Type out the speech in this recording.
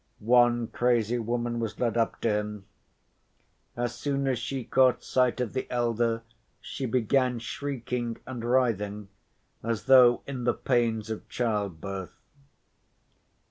One crazy woman was led up to him. As soon as she caught sight of the elder she began shrieking and writhing as though in the pains of childbirth.